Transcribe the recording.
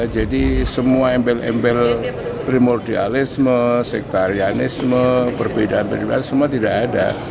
jadi semua embel embel primordialisme sektarianisme perbedaan perbedaan semua tidak ada